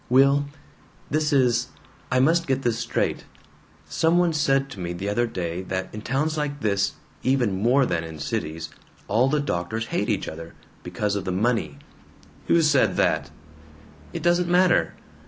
"Will, this is I must get this straight. Some one said to me the other day that in towns like this, even more than in cities, all the doctors hate each other, because of the money " "Who said that?" "It doesn't matter."